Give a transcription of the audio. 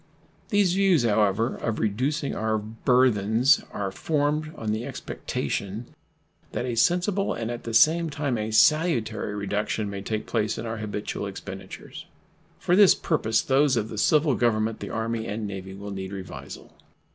These views, however, of reducing our burthens are formed on the expectation that a sensible and at the same time a salutary reduction may take place in our habitual expenditures. For this purpose those of the civil Government, the Army, and Navy will need revisal.